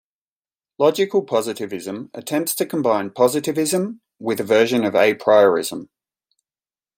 Logical positivism attempts to combine positivism with a version of a-priorism.